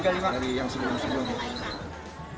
dari yang sebelum sebelumnya